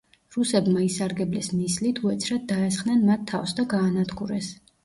რუსებმა ისარგებლეს ნისლით, უეცრად დაესხნენ მათ თავს და გაანადგურეს.